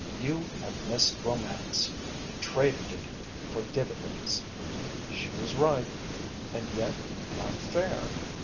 "You have missed romance. You traded it for dividends." She was right, and yet, not fair.